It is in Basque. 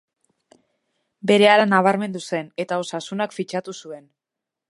Berehala nabarmendu zen, eta Osasunak fitxatu zuen.